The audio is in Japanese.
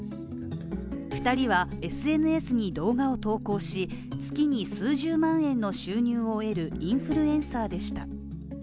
２人はＳＮＳに動画を投稿し、月に数十万円の収入を得る、インフルエンサーでした。